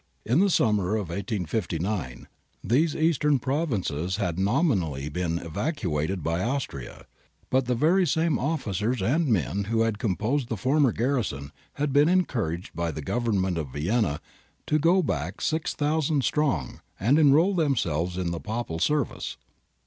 In the summer of 1859 these Eastern Provinces had nominally been evacu ated by Austria, but the very same officers and men who had composed the former garrison had been encouraged by the Government of Vienna to go back 6000 strong and enrol themselves in the Papal service.